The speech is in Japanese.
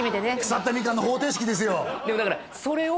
腐ったミカンの方程式ですよ